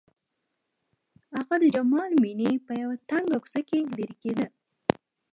هغه د جمال مېنې په يوه تنګه کوڅه کې لېرې کېده.